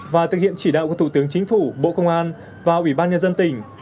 và thực hiện chỉ đạo của thủ tướng chính phủ bộ công an và ủy ban nhân dân tỉnh